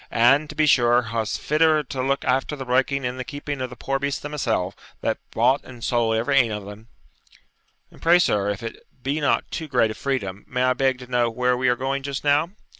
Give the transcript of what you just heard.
'And, to be sure, wha's fitter to look after the breaking and the keeping of the poor beasts than mysell, that bought and sold every ane o' them?' 'And pray, sir, if it be not too great a freedom, may I beg to know where we are going just now?'